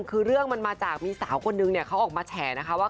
คือเรื่องมันมาจากมีสาวคนนึงเนี่ยเขาออกมาแฉนะคะว่า